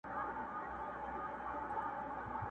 د زمري غوښي خوراک د ده شوتل وه؛